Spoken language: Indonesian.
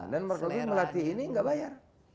dan marketplace melatih ini enggak bayar